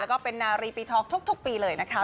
แล้วก็เป็นนารีปีทองทุกปีเลยนะคะ